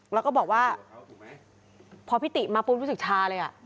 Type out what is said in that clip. แล้วก็บอกว่าพอพี่ติมาปุ๊บรู้สึกชาเลย